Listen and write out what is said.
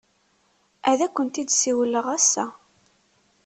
Ad akent-d-siwleɣ ass-a.